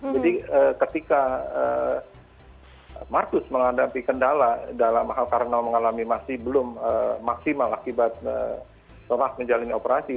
jadi ketika marcus menghadapi kendala dalam hal karena mengalami masih belum maksimal akibat serang menjalani operasi